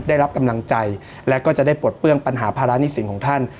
ได้รับกำลังใจและก็จะได้ปลดเปื้องปัญหาภาระหนี้สินของท่าน